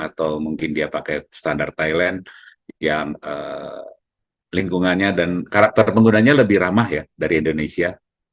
atau mungkin dia pakai standar thailand yang lingkungannya dan karakter penggunanya lebih ramah ya dari indonesia